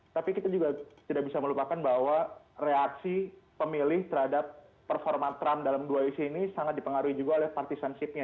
tapi kita juga tidak bisa melupakan bahwa reaksi pemilih terhadap performa trump dalam dua isi ini sangat dipengaruhi juga oleh partisanshipnya